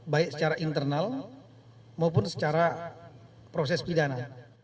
baik secara internal maupun secara proses pidana